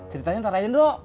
ceritanya tarahin enro